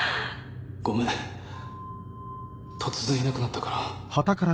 ごめん突然いなくなったから。